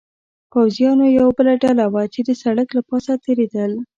پوځیانو یوه بله ډله وه، چې د سړک له پاسه تېرېدل.